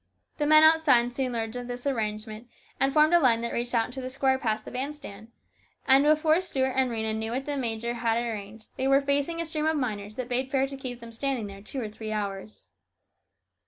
The men outside soon learned of this arrange ment and formed a line that reached out into the square past the band stand, and before Stuart and Rhena knew what the major had arranged they were facing a stream of miners that bade fair to keep them standing there two or three hours.